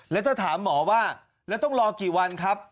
แล้วถ้าถามหมอว่าแล้วต้องรอกี่วันครับ